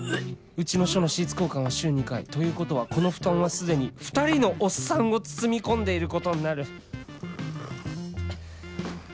うちの署のシーツ交換は週２回ということはこの布団は既に２人のおっさんを包み込んでいることになる